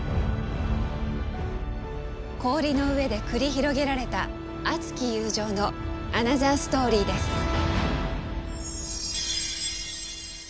氷の上で繰り広げられた熱き友情のアナザーストーリーです。